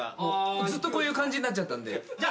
ずっとこういう感じになっちゃったんで。